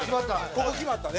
ここ決まったで。